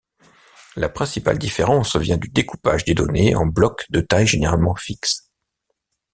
La principale différence vient du découpage des données en blocs de taille généralement fixe.